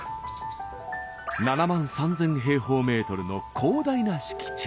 ７万３，０００平方メートルの広大な敷地。